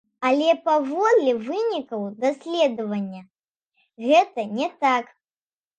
Але паводле вынікаў даследавання, гэта не так.